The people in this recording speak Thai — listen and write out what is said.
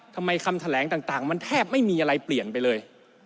คำแถลงต่างมันแทบไม่มีอะไรเปลี่ยนไปเลย